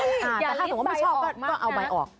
แต่ถ้าสมมุติไม่ชอบก็เอาใบออก